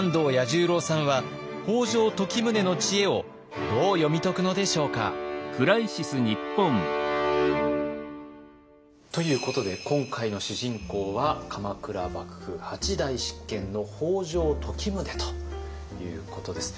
彌十郎さんは北条時宗の知恵をどう読み解くのでしょうか？ということで今回の主人公は鎌倉幕府８代執権の北条時宗ということです。